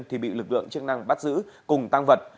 thì bị lực lượng chức năng bắt giữ cùng tăng vật